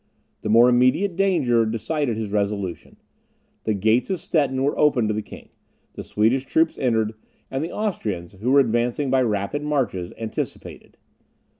The more immediate danger decided his resolution. The gates of Stettin were opened to the king; the Swedish troops entered; and the Austrians, who were advancing by rapid marches, anticipated.